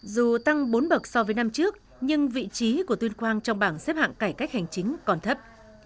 dù tăng bốn bậc so với năm trước nhưng vị trí của tuyên quang trong bảng xếp hạng cải cách hành chính còn thấp